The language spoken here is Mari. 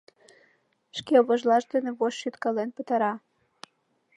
Шке вожлаж дене вошт шӱткален пытара.